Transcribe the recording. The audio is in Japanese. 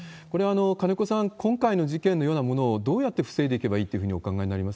これは、金子さん、今回の事件のようなものをどうやって防いでいけばいいというふう